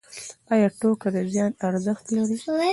ایا ټوکه د زیان ارزښت لري؟